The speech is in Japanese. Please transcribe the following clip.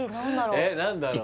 え何だろう？